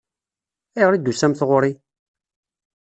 Ayɣer i d-tusamt ɣur-i?